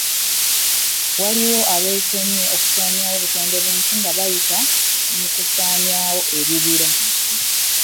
Waliwo abeesomye okusaanyaawo obutonde bw'ensi nga bayita mu kusaanyaawo ebibira.